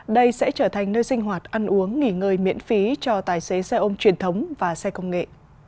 đây sẽ trở thành nơi sinh hoạt ăn uống nghỉ ngơi miễn phí cho tài xế xe ôm truyền thống và xe công nghệ